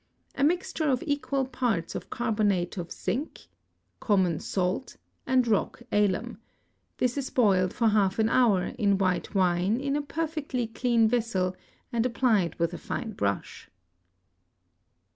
2. A mixture of equal parts of carbonate of zinc, common salt, and rock alum; this is boiled for half an hour in white wine in a perfectly clean vessel and applied with a fine brush.